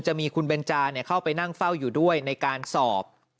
จะมีคุณเบนจาเข้าไปนั่งเฝ้าอยู่ด้วยในการสอบ